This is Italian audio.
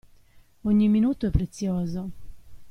Ogni minuto è prezioso.